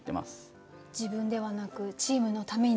自分ではなくチームのために？